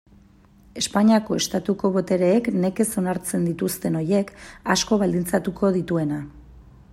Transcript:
Espainiako Estatuko botereek nekez onartzen dituzten horiek, asko baldintzatuko dituena.